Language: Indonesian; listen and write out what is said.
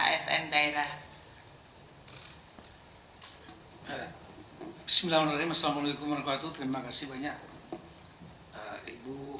bismillahirrahmanirrahim assalamu alaikum warahmatullahi wabarakatuh